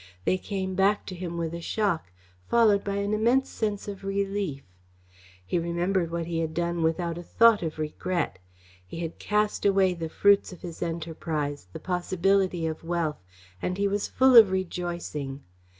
They came back to him with a shock, followed by an immense sense of relief. He remembered what he had done without a thought of regret. He had cast away the fruits of his enterprise, the possibility of wealth, and he was full of rejoicing.